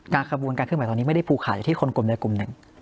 การขบูกกันการขึ้นไหวตอนนี้ไม่ได้พูดขาดอย่างที่คนกลมใดกลุ่มหนึ่ง